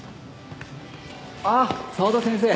あっ澤田先生！